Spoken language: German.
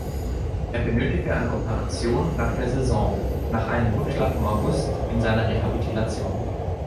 Er benötigte eine Operation nach der Saison, nach einem Rückschlag im August in seiner Rehabilitation.